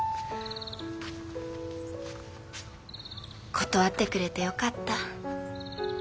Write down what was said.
断ってくれてよかった。